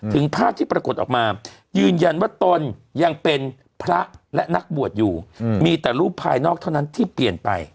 ภาพที่ปรากฏออกมายืนยันว่าตนยังเป็นพระและนักบวชอยู่มีแต่รูปภายนอกเท่านั้นที่เปลี่ยนไป